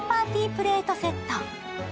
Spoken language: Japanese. プレートセット。